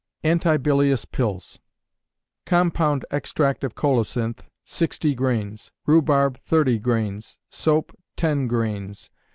Anti Bilious Pills. Compound extract of colocynth, 60 grains; rhubarb, 30 grains; soap, 10 grains.